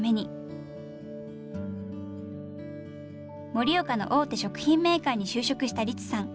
盛岡の大手食品メーカーに就職したリツさん。